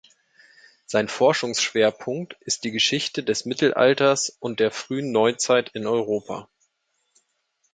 Sein Forschungsschwerpunkt ist die Geschichte des Mittelalters und der Frühen Neuzeit in Mitteleuropa.